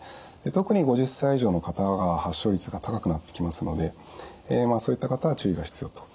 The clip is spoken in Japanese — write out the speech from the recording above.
特に５０歳以上の方が発症率が高くなってきますのでそういった方は注意が必要と。